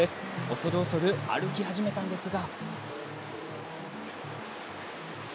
恐る恐る歩き始めたんですが。